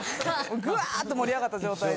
ぐわっと盛り上がった状態で。